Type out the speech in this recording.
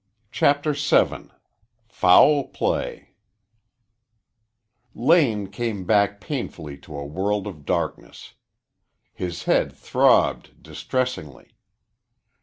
CHAPTER VII FOUL PLAY Lane came back painfully to a world of darkness. His head throbbed distressingly.